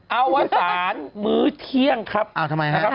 เอาว่าสามม